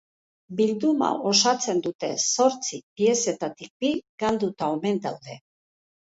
Bilduma osatzen duten zortzi piezetatik bi galduta omen daude.